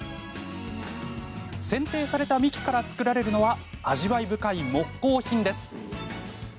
せん定された幹から作られるのは味わい深い木工品です。